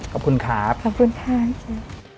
ขอบคุณครับขอบคุณท่านค่ะ